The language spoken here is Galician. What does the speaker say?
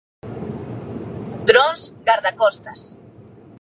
Drons Gardacostas.